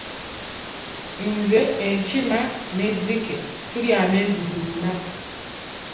Nze, enkima n'ezzike tulya amenvu buli lunaku.